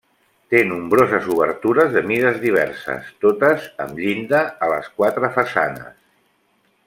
Té nombroses obertures de mides diverses, totes amb llinda, a les quatre façanes.